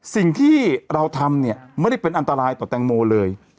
สิ่งที่เราทำเนี่ยไม่ได้เป็นอันตรายต่อแตงโมเลย